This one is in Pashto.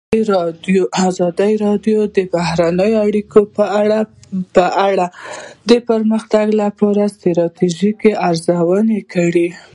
ازادي راډیو د بهرنۍ اړیکې په اړه د پرمختګ لپاره د ستراتیژۍ ارزونه کړې.